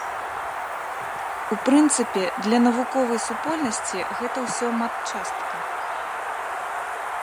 У прынцыпе, для навуковай супольнасці гэта ўсё матчастка.